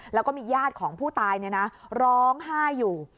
แล้วก็มีญาติของผู้ตายร้องไห้อยู่